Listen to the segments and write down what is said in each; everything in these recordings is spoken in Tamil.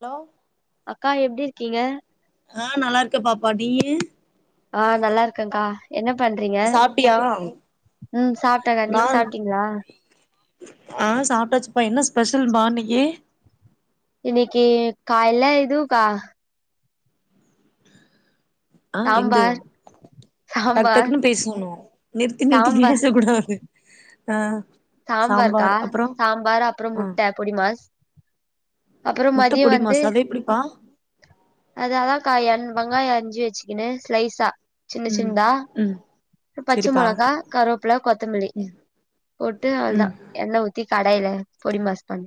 ஹலோ அக்கா எப்டி இருக்கீங்க ஆ நல்லா இருக்க பாப்பா நீயு ஆ நல்லா இருக்கங்க்கா என்ன பண்றீங்க சாப்ட்டியா ம் சாப்டங்கா நா நீங்க சாப்ட்டீங்ளா பெஷல் மார்னிங்கி இன்னக்கி காய்ல இதூக்கா ஆ எந்து சாம்பார் டக் சாம்பார் டக்குன்னு பேசணு நிறுத்தி நிறுத்தி சாம்பார் பேச கூடாது ஆ சாம்பார்க்கா சாம்பார் அப்றோ சாம்பார் அப்றொ ஆ முட்ட பொடிமாஸ் அப்பறொ முட்ட மதியொ பொடி வந்து மாஸ் அது எப்டிப்பா அதா அதாங்க்கா எண் வெங்காயொ அரிஞ்சி வச்சிக்கினு ஸ்லைசா சின்னச் ம் சின்தா ம் பச்ச செரிப்பா மொளகா கருவப்புல கொத்தமல்லி போட்டு அவ்ள்தா ம் எண்ண ஊத்தி கடைல பொடிமாஸ் பண்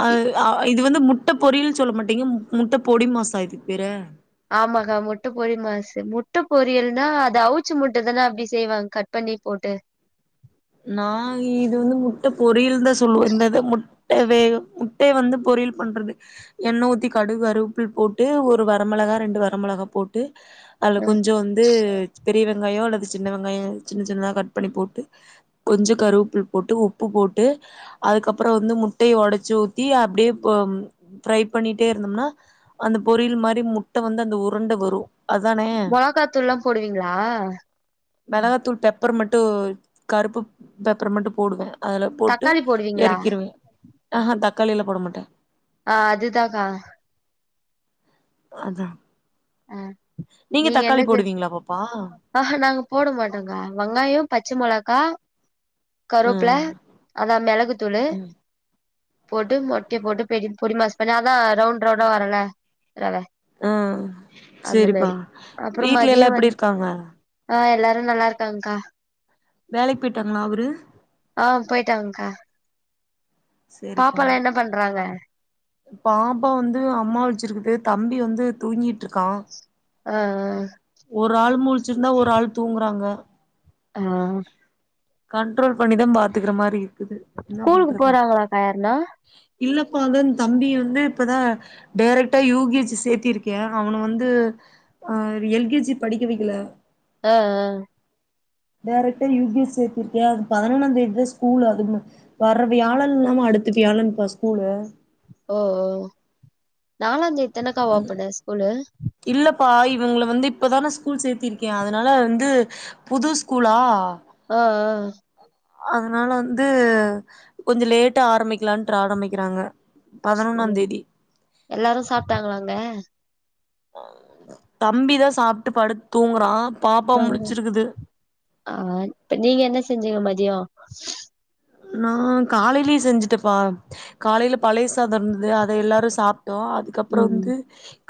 அ அ இது வந்து முட்ட பொரியல் சொல்ல மாட்டீங்க ம் முட்ட பொடிமாஸா இதுக் பேரு ஆமாக்கா முட்ட பொடிமாஸு முட்ட பொரியல்னா அத அவுச்ச முட்டதான அப்டி செய்வாங் கட் பண்ணி போட்டு நா இது வந்து முட்ட பொரியல்தா சொல்லுவோ இந்த இத மு ட்ட வேக முட்டைய வந்து பொரியல் பண்றது எண்ண ஊத்தி கடுக் கருவப்ல போட்டு ஒரு வரமெளகா ரெண்டு வரமெளகா போட்டு அத்ல அ கொஞ்சொ வந்து பெரிய வெங்காயொ அல்லது சின்ன வெங்காயொ சின்ன சின்னதா கட் பண்ணி போட்டு கொஞ்சொ கருவப்ல் போட்டு உப்பு போட்டு அதுக்கப்பறொ வந்து முட்டையை ஒடச்சு ஊத்தி அப்டியே ப ம் ப்ரை பண்ணிட்டே இருந்தம்னா அந்த பொரியல் மாரி முட்ட வந்து அந்த உருண்ட வரு அதானே மொளகாத்தூள்லா போடுவீங்ளா மெளகாத்தூள் பெப்பர் மட்டு கருப்பு பெப்பர் மட்டு போடுவ அதுல போட்டு தக்காளி போடுவீங்களா எறக்கிருவ ஆ ஹ தக்காளி எல்லா போட மாட்ட ஆ அதுதாகா அதா அ நீங்க தக்காளி என்னது போடுவீங்களா பாப்பா ஆ ஹ நாங்க போட மாட்டோங்கா வங்காயோ பச்சு மொளகா கருவப்ல ம் அதா மிளகுத்தூளு போட்டு மொட்ய போட்டு பெரி பொடி மாஸ் பண்ணி அதா ரவுண்ட் ரவுண்டா வரல ரவ அ அந்த செரிப்பா மாரி அப்றோ வீட்ல எல்லா எப்புடி இர்க்காங்க நல்லாருக்காங்க்கா வேலைக் பெய்ட்டாங்ளா அவுரு ஆ பொயிட்டாங்க்கா சேரிப்பா பாப்பாலா என்ன பண்றாங்க பாப்பா வந்து அம்மா வெச்சிருக்குது தம்பி வந்து தூங்கிட் ட்ருக்கா அ அ ஒரு ஆள் தூங்குறாங்க ஹ கண்ட்ரோல் பண்ணிதா பாத்துக்குற மாரி இருக்குது என்ன கூலுக்கு பண்றது போறாங்களாக்கா யார்னா இல்லப்பா அங்கன் தம்பி வந்து இப்பதா டேரக்ட்டா யு கே ஜி சேத்திருக்கே அவன வந்து ஆ எல் கே ஜி படிக்க வெக்கில அ அ டேரெக்ட்டா யு கே ஜி சேத்திர்க்கே அது பதினொன்னாந்தேதி தா ஸ்கூலு அது வர்ற வியாழன் இல்லாம அடுத்த வியாழன்ப்பா ஸ்கூலு ஒ ஓ நாலாந்தே தெனக்கா ஓப்பனு ஸ்கூலு ப இவ்ங்கள வந்து இப்ப தான ஸ்கூல் சேத்திருக்கே அதுனால வந்து புது ஸ்கூலா அ அ அத்னால வந்து கொஞ்ச லேட்டா ஆரமிக்லாட்ரு ஆரம்பிக்கிறாங்க பதினொன்னாந் தேதி எல்லாரு சாப்ட்டாங்களா அங்க தம்பிதா சாப்ட்டு படுத் தூங்குறா பாப்பா முழிச்சிருக்குது ஆ இப்ப நீங்க என்ன செஞ்சீங்க மதியொ நா காலைலயே செஞ்சுட்டப்பா காலைல பழை சாதொருந்துது அத எல்லாரு சாப் ட்டோ அதுக்கப்றொ ம் வந்து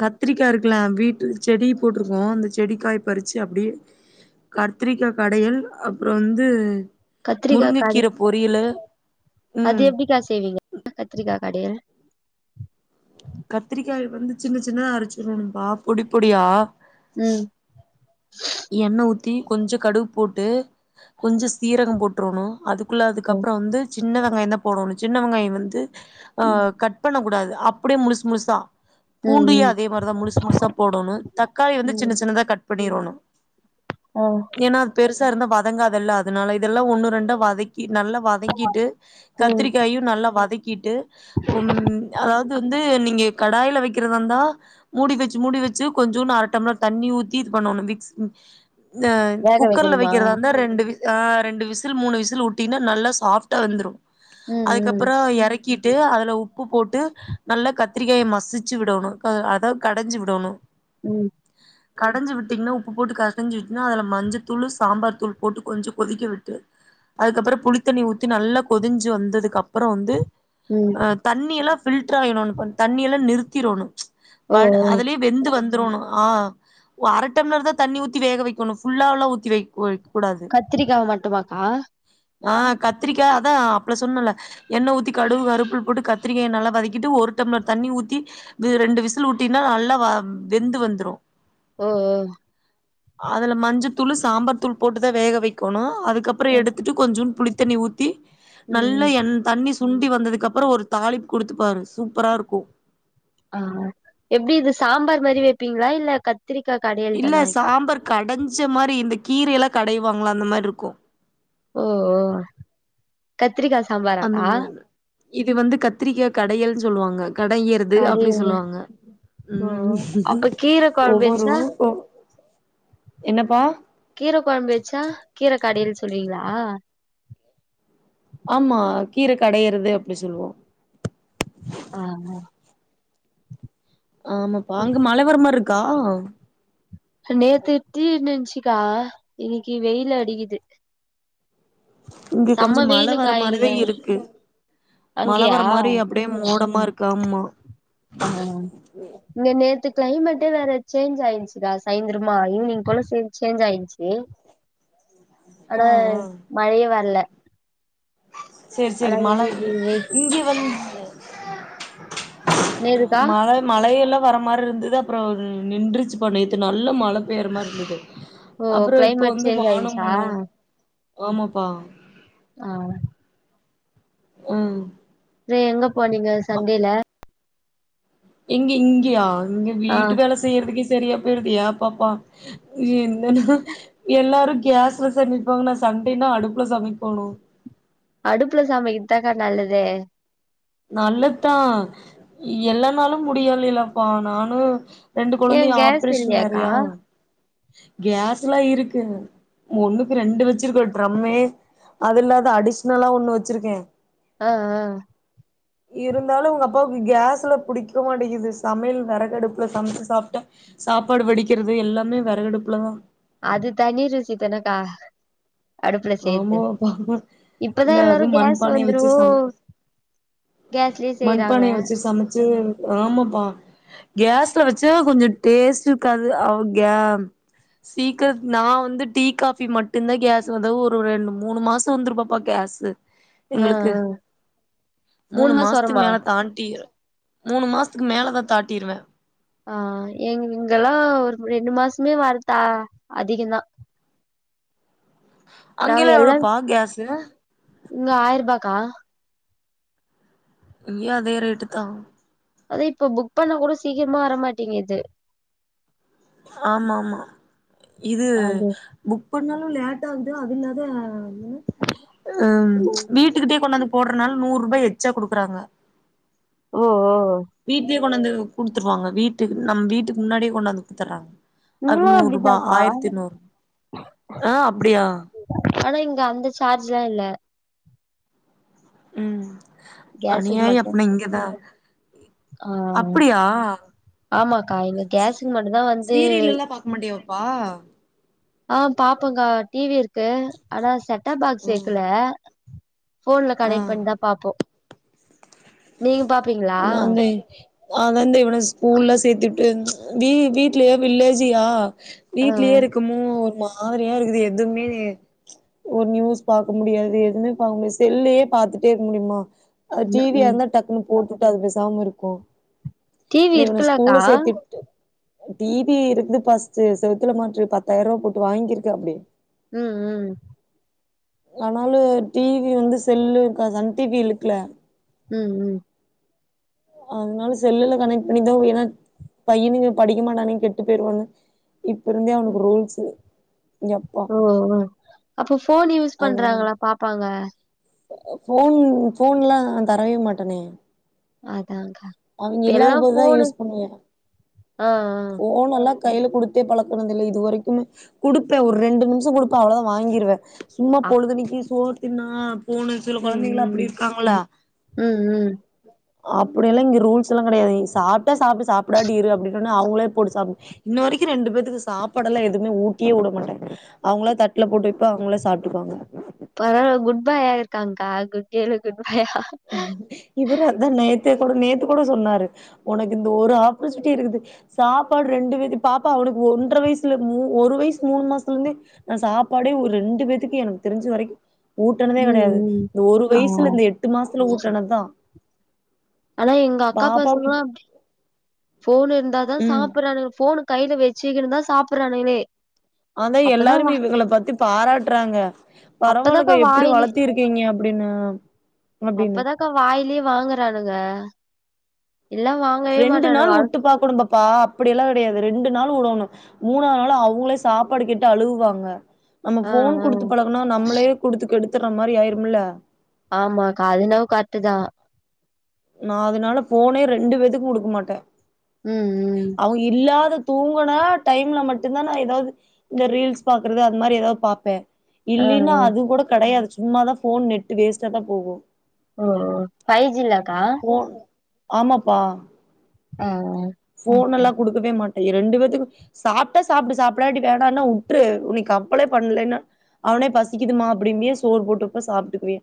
கத்ரிக்கா இருக்குல்ல வீட்டு செடி போட்ருக்கோ அந்த செடிக்காய் பறிச்சி அப்டியே கத்திரிக்கா கடயல் அப்றொ வந்தூ கத்திரிக்கா கட யில அது எப்டிக்கா செய்வீங்க கத்திரிக்கா கடையல் கத்திரிக்காய வந்து சின்னச் சின்னதா அரிச்சிருவணும்ப்பா பொடிப் பொடியா ம் எண்ண ஊத்தி கொஞ்சொ கடுகு போட்டு கொஞ்ச சீரகொ போட்ரோணு அதுக்குள்ள ம் அதுக்கப்றொ வந்து சின்ன வெங்காயந்தா போடோணு சின்ன வெங்காயொ வந்து ஆ ம் கட் பண்ணக்கூடா அப்டே முழுசு முழுசா பூண்டுயா ம் அதே மாரிதா முழுசு முழுசா போடோணு தக்காளி வந்து ம் சின்னச் சின்னதா கட் எப்டி இருகணு ஆ ஏனா அது பெருஸ் சா இருந்தா வதங்காதல்ல அதுனால இதெல்லா ஒன்னு ரெண்டா வதக் கி நல்லா வதங்கிட்டு ம் கத்திரிக்காயு நல்லா வதக் கீட்டு உம் அதாவ் து வந்து நீங்க கடாய்ல வெக்கிறதார்ந்தா மூடி வெச்சு மூடி வெச்சு கொஞ்சோனு அர டம்ளர் தண்ணி ஊத்தி இது பண்ணோனு மிக்ஸ் ம் அஹ் வேக குக்கர்ல வைக்கணுமா வெக்கிறதார்ந்தா ரெண்டு ஆஹ் ரெண்டு விசில் மூனு விசில் உட்டினா நல்லா சாஃப்ட்டா வெந்துரு ம் ம் அதுக்கப்பறோ எறக் கிட்டு அதுல உப்பு போட்டு நல்லா கத்திரிக்காய மசிச்சி விடோனு க அதக் கடஞ்சு விடோனு உம் கடஞ்சு விட்டீங்ன்னா உப் பு போட்டு கசஞ்சி விட்னா அதுல மஞ்சத்தூளு சாம்பார் தூள் போட்டு கொஞ்ச கொதிக்க விட்டு அதுக்கப்பறோ புளித்தண்ணி ஊத்தி நல்லா கொதிஞ்சு வந்ததுக்கப்றோ வந்து ம் ஆஹ் தண்ணி எல்லா ஃபில்ட்ராய ஒன்னு பண்ணு தண்ணி எல்லா நிறுத் திரோணு ஓ பட் ஓ அதுலே வெந்து வந் ரோனு ஆஹ் ஒ அர டம்பளர் தா தண்ணி ஊத்தி வேக வெக்கணு ஃபுல்லாவ்லா ஊத்தி வெக் வைக் கத்திரிக்காவ மட்டுமாக்கா ஆஹ் கத்திரிக்கா அதா அப்லே சொன்னல்ல எண்ண ஊத்தி கடுவு கருவெப்புள் போட்டு கத்திரிக்காயே நல்லா வதக்கிட்டு ஒரு டம்ளர் தண்ணி ஊத்தி வீ ரெண்டு விசில் ஊட்டினா நல்லா வா வெந்து வந்துரு ஓ ஓ அதுல மஞ்ச தூளு சாம்பார் தூள் போட்டுதா வேக வெக்கோணு அதுக் கப்பறோ ம் எடுத்துட்டு கொஞ்சோன் புளித் தண்ணி ஊத்தி ம் ம் நல்லா எண் தண்ணி சுண்டி வந்ததுக்கப்பறோ ஒரு தாளிப் குடுத்துப்பாரு சூப்பரா இருக்கு ஆஹ் எப்டி இது சாம்பார் மாரி வெப்பீங்ளா இல்ல க இல்ல சாம்பார் கடஞ்ச மாரி இந்த கீரைல்லா கடைவாங்ல அந்த மார்ருக்கு ஓ ஓ க த்திரிக்கா அந்த சாம்பாராக்கா மாரி இது வந்து கத்திரிக்கா கடையல்ஞ்சொல்லுவாங்க கடையிறது அப்டி அடேங்க சொல்லுவாங்க ஓ உம் அப்ப கீர கொழம்பு ஒவ்வொரு வச்சா [unintelligible] என்னப்பா கீர கொழ்ம்பு வெச்சா கீரக் கடையில சொல்லுவீங்களா ஆமா கீரை கடையறது அப்படி சொல்லுவோம் ஆமா ஆமாப்பா அங்க மழ வரமா இருக்க கா நேத்து தீனுச்சக்கா இன்னைக்கு வெயில் அடிக்குது இங்க செம்ம கொஞ்சம் மழை வர வெயிலுக்கா இங்க மாதிரிதான் இருக்கு மழ அங்கயா வர மாதிரி அப்படியே மோடமா இருக்கு ஆமா ஆ இங்க நேத்து கிளைமேட்டே வேற சேஞ்ச் ஆயிடுச்சுக்கா சாயந்திரமா ஈவினிங் போல சே சேஞ்ச் ஆயிடுச்சு ஆ ஆனா ஆ மழையே வரல செர் ஆனா செரி மழை இன்னைக்கு வெ இங்கே வந்து என்னதுக்கா மழ மழயெல்லாம் வர மாதிரி இருந்தது அப்புறம் நின்றுறிச்சு பா நேத்து நல்ல மழை பெய்ற மாதிரி இருந்தது ஓ அப்றோ இப்போ கிளைமேட் வந்து சேஞ்ச் வானம் ஆயிருச்சா மூ ஆமாப்பா ஆஹ் உஹ் செ எங்க போ நீங்க சண்டேல எங்க இங்கயா இங்க ஆ வீட்டு வேல செய்றதுக்குே சரியா [unintelligible] என் பாப்பா [unintelligible] எல்லாரும் கேஸ்சுல சமைப்பாங்க நான் சண்டைனா அடுப்புல சமைக்கணும் அடுப்புல சமைக்குதாக்கா நல்லது நல்லதான் எல்லானாலும் முடியலைலப்பா நானும் ரெண்டு ஏ கொழந்தையும் கேஸ் ஆப்ரேஷன் இல்லையாக்கா வேறையா கேஸ் எல்லாம் இருக்கு ஒண்ணுக்கு ரெண்டு வச்சிருக்கே ட்ரம்மே அது இல்லாத அடிஷ்னலா ஒண்ணு வெச்சிருக்கேன் ஆஹ் ஆஹ் இருந்தாலும் உங்க அப்பாவுக்கு கேஸ்ல பிடிக்க மாட்டேக்குது சமையல் விறகடுப்புல சமைச்சு சாப்பிட்டா சாப்பாடு வடிக்கிறது எல்லாமே விறகடுப்புலதான் அது தணி ருசி தனக்கா அடுப்புல செய்றது ஆமாவாப்பா இந்த இப்பதான் அது எல்லாரும் கேஸ் வந்துரு கேஸ்லயே செய்யறாங்க மண்பானையை வச்சு சமைச்சு ஆமாப்பா கேஸ்ல வச்ச கொஞ்சம் டேஸ்ட் இருக்காது அவ கே சீக்கிர நான் வந்து டீ காஃபி மட்டும்தான் கேஸ் அதாவது ஒரு ரெண்டு மூணு மாசம் வந்துருப்பாப்பா கேஸு ஆஹ் எங்களுக்கு ஆஹ் மூணு மாசம் வர த்து மேல தாண்டி மூணு மாசத்துக்கு மேலதா தாட்டிருவே ஆஹ் எங் இங்கலா ஒரு ரெண்டு மாசமே வரத்தா அதிகந்தா நா அங்கெல்லா எல்லன் எவ்ளோப்பா கேஸு இங்க ஆயரூபா கா இங்கியு அதே ரேட்டுத்தா அத இப்ப புக் பண்ணா கூட சீக்கிரமா வரமாட்டிங்கிது ஆமா ஆமா இது அது புக் பண்ணாலு லேட்டாகுது அது இல்லாத உஹம் வீட்டுக்கிட்டே கொண்ணாந்து போட்றனால நூறுபா எச்சா குடுக்குறாங்க ஓ ஓ வீட்லயே கொண்ணந்து குடுத்துருவாங்க வீட்டுக்கு நம் வீட்டுக்கு முன்னாடியே கொண்டாந்து குத்தற்றாங்க அது இங்கெல்லா நூறுபா அப்டிதாக்கா ஆயிரத்திநூறு ஆஹ் அப்டியா ஆனா இங்க அந்த சார்ஜ்லா இல்ல உம் அநியாய அப்னா இங்கதா ஆஹ் அப்டியா ஆமாக்கா இங்க கேஸுக்கு மட்டுந்தா வந்து சீரியல் எல்லா பாக்க மாட்டியாப்பா [unintelligible] ஆஹ் பாப்போங்க்கா டி வி இருக்கு ஆனா செட் டா பாக்ஸ் ம் சேக்குல போன்ல கனைக்ட் ஆ பண்ணிதா பாப்போ நீங்க பாப் நா இந்த அதான்ந்த இவன ஸ்கூல்ல சேத்துட்டு ப்ச் வீ வீட்லயே வில்லேஜியா ஆ வீட்லயே இருக்குமோ ஒரு மா மாரியா இருக்குது எதுமே ப்ச் ஒரு நியூஸ் பாக்க முடியாது எதுமே பாக்க முடியாது செல்லயே பாத்துட்டுருக்க முடியுமா அ டீ ம் ம் வியாருந்தா டக்குனு போட்டுட்டு அது பெசாம இருக்கு டீ வி இருக்கலக்கா டிஸவி இருக்குது பஸ்ட்டு செவத்துல மாற்றது பத்தாயிரரூவா போட்டு வாங்கிருக்கிறாப்டி உம் உம் ஆனாலு டி வி வந்து செல்லு இருக்கா அதான டி வி இலுக்ல உம் உம் அதனால செல்லுல கனெக்ட் பண்ணிதா ஏனா பையனுயங்க படிக்க மாட்டானுங்க கெட்டு போயிருவானுக ஒ எப்பா ஓ ஓ அப்ப ஃபோன் யூஸ் அதனால பண்றாங்கள்ள பாப்பாங்க ஃபோன் ஃபோன்லாந் தரவே மாட்டனே அதாங்க்கா அவங்க இப்ப இல்லாத எல்லா போதுதா போனு யூஸ் பண்ணுவே ஆஹ் அஹ் ஃபோனெல்லா கையில குடுத்தே பழக்கணதில்ல இது வரைக்குமே குடுப்பே ஒரு ரெண்டு நிமிஷம் குடுப்பே அவ்ளோதா வாங்கிருவே சும்மா ஆ அ பொழுதன்னைக்கு சோர் த்து நா போனு சில கொழந்தைங்களா அப்படி ம் இருக்காங்களா ம் ம் ம் அப்படியெல்லா இங்க ரூல்ஸ் எல்லா கெடையாது சாப்ட்டா சாப்டு சாப்டாட்டி இரு அப்படின்னனோ அவங்களே போட்டு சாப்ப இன்ன வரைக்கு ரெண்டு பேத்துக்கு சாப்பாடு எல்லா எதுமே ஊட்டியே உட மாட்டே அவங்களா தட்டுல போட்டு வைப்பே அவங்களே சாப்டுக்குவாங்க பரவால குட் பாயா இருக்காங்க்கா குட் கேளு குட் பாயா இவரு அதா நேத் தேக்கூட நேத்துக் கூட சொன்னாரு ஒனக்கு இந்த ஒரு ஆப்பர்ச்சுனிட்டி இருக்குது சாப்பாடு ரெண்டு பேத் பாப்பா அவளுக்கு ஒன்ற வயசுல மூ ஒரு வயசு மூணு மாசத்துலருந்தே நா சாப்பாடே ரெண்டு பேத்துக்கு எனக்கு தெரிஞ்ச வரைக்கு ஊட்டனதே ம் கெடையாது ம் இந்த ஒரு ஆ வயசுல இந்த எட் மாசத்துல ஊட்டனதுதா ஆனா எங்க அக்கா பாப்பாவுக்கு பசங்களா அப்டி ஃபோன் இருந்தாதா ம் சாப்பட்றானுங்க ஃபோனு கையில வெச்சுகுனுதா சாப்புறானுங்களே அதா எல்லாருமே இவகள பத்தி பாராட்டுறாங்க அப்பதாக்கா பரவால்லக்கா எப்டி வாயிலே வளத்திருக்கீங்க அப்டின்னு அப்டின்னு ஆ ரெண்டு நாள் உட்டு பாக்கணு பாப்பா அப்படியெல்லா கெடையாது ரெண்டு நாள் உடனு மூணாவ்து நாளு அவ்களே சாப்பாடு கேட்டு அழுகுவாங்க நம்ம ஆ ஃபோன் ஆ குடுத்து பலகுனோ நம்மளே குடுத்துக் கெடுத் த்துற மாரி ஆயிரும்ல ஆமாக்கா அது என்னவோ கரட்டுதா நா அதுனால ஃபோனே ரெண்டு பேத்துக்கு குடுக்க மாட்டே ம் ம் அவ்ங்க இல்லாத தூங்குன டைம்ல மட்டுந்தா நா எதாவ்து இந்த ரீல்ஸ் பாக்குறது அது மாரி எதாவ்து பாப்பே ஆ ஆ இல்லைனா அது கூட கெடையாது சு ம்மாதா ஃபோன் நெட்டு் வேஸ்ட்டா தா போகு ஓ ஓ ஃபைஜ் ஜிங்லாக்கா ஃபோன் ஆமாப்பா ஆஹ் அஹ் ஃபோனல்லா குடுக்கவே மாட்டே எ ரெண்டு வேத்துக்கு சாப்ட்டா சாப்டு சாப்டாட்டி வேணான்னா உட்ரு நீ கம்ப்பளே பண்லேனா அவனே பசிக்குதுமா அப்டின்பே சோறு போட்டு வப்பே சாப்ட்டுக்குவே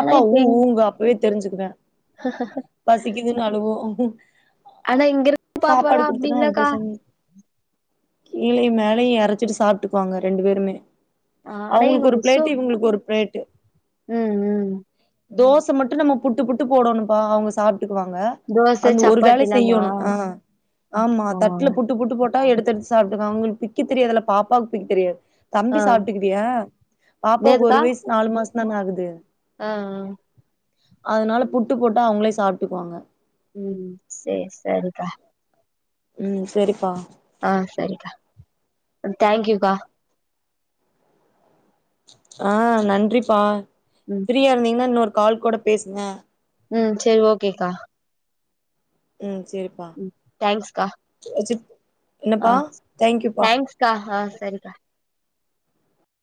ஆனா இப்ப ஊ எங் ஊன்பா அப்பவே தெரிஞ்சுக்குவோ பசிக்குதுன்னு அழுவு ஆனா இங்கருக் சாப்பாடு பாப்போலா அப்டி குடுத்தனா அது இல்லக்கா பேசாம கீழயு மேலையு எரைச்சிட்டு சாப்ட்டுக்குவாங்க ரெண்டு பேருமே ஆ ஆனா எங்க அவங்களுக்கு ஒரு மிஸ்ஸு பிளேட்டு இவங்களுக்கு ஒரு பிளேட் ட்டு ம் ம் தோச மட்டு நம்ம புட்டு புட்டு போடோணுப்பா அவங்க சாப் டுக்குவாங்க தோச அந்த ஒரு வேல சப்பாத்திலாமா செய்யோணு ஆ ஆமா ஆ தட்டுல புட்டு புட்டு போட் டா எடுத்தெடுத்து சாப்ட்டுக்குவாங்க அவங்ளுக்கு பிக்க தெரியதுல்ல பாப்பாக்கு பிக்க தெரியாது ஆ தம்பி சாப்ட்டுகிட்டியா பாப்பாவுக்கு என்னதுக்கா ஒரு வயசு நாலு மாச ன ஆகுது ஆ அ அதனால புட்டு போட்டா அவங்களே சாப்ட்டுக்குவாங்க ம் சேர் சேரிக்கா ம் செரிப்பா அ செரிக்கா தேங்க்யூக்கா அ நன்றிப்பா ம் ஃப்ரீயா இருந்தீங்ன்னா இன்னொரு கால் கூட பேசுங்க ம் சேரி ஓகேக்கா ம் சேரிப்பா வச்சு என்னப்பா ஆஹ் தேங்க்யூப்பா தேங்க்ஸ்கா ஆஹ் சரிக்கா